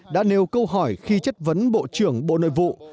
đã nêu câu hỏi khi chất vấn bộ trưởng bộ nội vụ